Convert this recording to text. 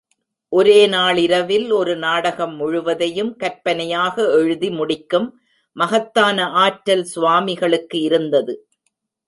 ஒரே நாளிரவில் ஒரு நாடகம் முழுவதையும் கற்பனையாக எழுதி முடிக்கும் மகத்தான ஆற்றல் சுவாமிகளுக்கு இருந்தது.